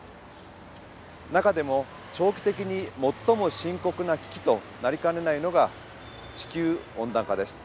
中でも長期的に最も深刻な危機となりかねないのが地球温暖化です。